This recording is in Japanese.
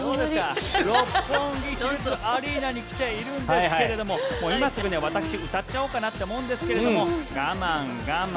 六本木ヒルズアリーナに来ているんですが今すぐ私、歌っちゃおうかなと思うんですが我慢、我慢。